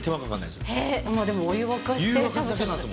でも、お湯沸かして。